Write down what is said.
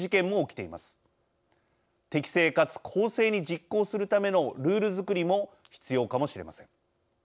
適正かつ公正に実行するためのルール作りも必要かもしれません。